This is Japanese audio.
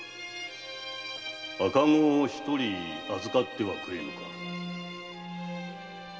赤子を預かってくれぬか？